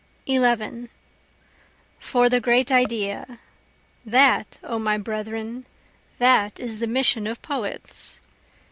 11 For the great Idea, That, O my brethren, that is the mission of poets.